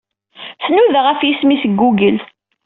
Tnuda ɣef yisem-is deg Google.